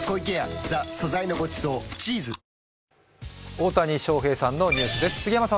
大谷翔平さんのニュースです。